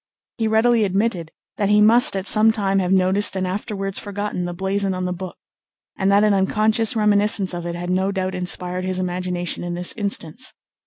He readily admitted that he must at some time have noticed and afterwards forgotten the blazon on the book, and that an unconscious reminiscence of it had no doubt inspired his imagination in this instance.